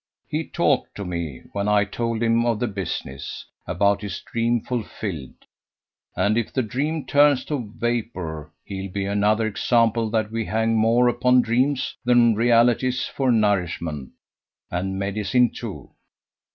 He talked to me, when I told him of the business, about his dream fulfilled, and if the dream turns to vapour, he'll be another example that we hang more upon dreams than realities for nourishment, and medicine too.